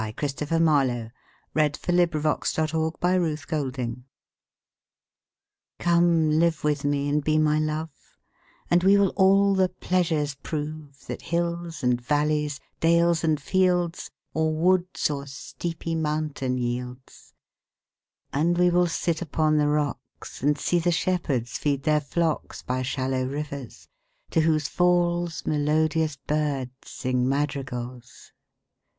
Christopher Marlowe. 1564–93 121. The Passionate Shepherd to His Love COME live with me and be my Love, And we will all the pleasures prove That hills and valleys, dales and fields, Or woods or steepy mountain yields. And we will sit upon the rocks, 5 And see the shepherds feed their flocks By shallow rivers, to whose falls Melodious birds sing madrigals.